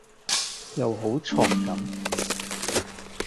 又好 chok 咁⠀⠀